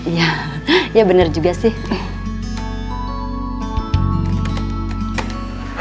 iya ya benar juga sih